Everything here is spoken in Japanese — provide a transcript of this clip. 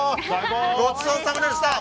ごちそうさまでした！